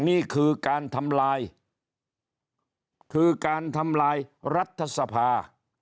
นี่คือการทำลายคือการทำลายรัฐสภา